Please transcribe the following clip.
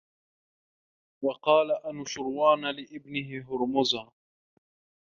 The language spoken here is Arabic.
وَقَالَ أَنُوشِرْوَانَ لِابْنِهِ هُرْمُزَ